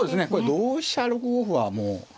同飛車６五歩はもう。